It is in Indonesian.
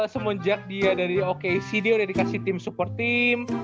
semenjak dia dari okac dia udah dikasih tim support team